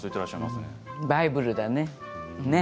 バイブルだね。